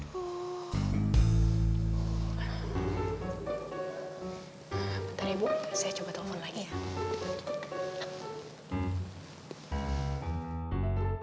bentar ya bu saya coba telepon lagi ya